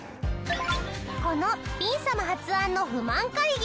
このピン様発案の不満会議。